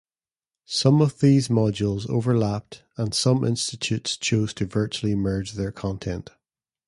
Some of these modules overlapped and some institutes chose to virtually merge their content.